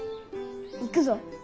行くぞ。